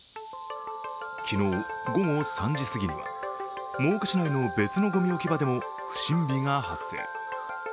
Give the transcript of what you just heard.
昨日午後３時過ぎには、真岡市内の別のごみ置き場でも不審火が発生。